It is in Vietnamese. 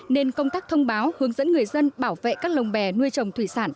nên công tác thông báo hướng dẫn người dân bảo vệ các lồng bè nuôi trồng thủy sản